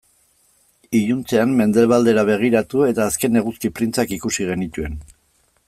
Iluntzean mendebaldera begiratu eta azken eguzki printzak ikusi genituen.